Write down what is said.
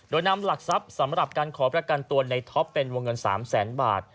โดยนำหลักทรัพย์สำหรับการขอประกันตัวในท็อปเป็นวงเงิน๓แสนบาท